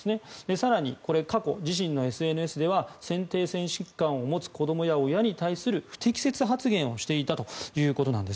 更に、過去自身のＳＮＳでは先天性疾患を持つ子どもや親に対する不適切発言をしていたということなんです。